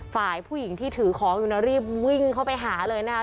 ฝ่ายผู้หญิงที่ถือของอยู่นะรีบวิ่งเข้าไปหาเลยนะคะ